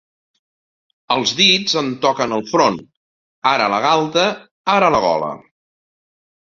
Els dits em toquen el front; ara la galta; ara la gola!